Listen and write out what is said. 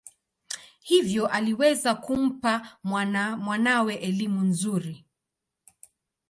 Hivyo aliweza kumpa mwanawe elimu nzuri.